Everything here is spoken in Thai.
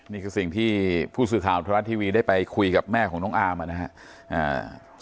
นี่คือสิ่งที่ผู้สื่อข่าวธนรัฐทีวีได้ไปคุยกับแม่ของน้องอาร์มนะครับ